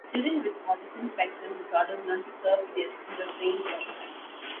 Children with autism spectrum disorders learn to surf with the assistance of trained surfers.